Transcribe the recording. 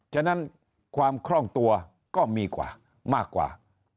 ฉะนั้นความคล่องตัวก็มีกว่ามากกว่า